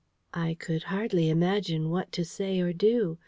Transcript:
I could hardly imagine what to say or do.